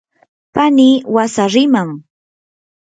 pani wasariman.